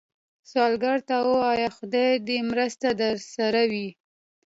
سوالګر ته ووايئ “خدای دې مرسته درسره وي”